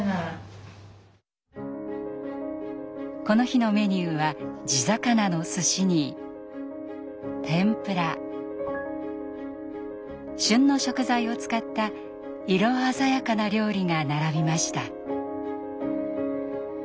この日のメニューは地魚のすしに天ぷら旬の食材を使った色鮮やかな料理が並びました。